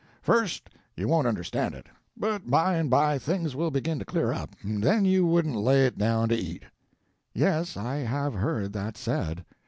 First, you won't understand it; but by and by things will begin to clear up, and then you wouldn't lay it down to eat." "Yes, I have heard that said."